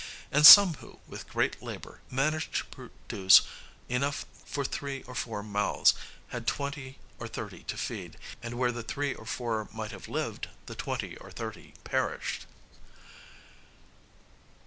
And some who, with great labor, managed to produce enough for three or four mouths, had twenty or thirty to feed; and where the three or four might have lived, the twenty or thirty perished.